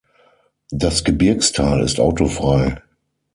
Das Gebirgstal ist autofrei.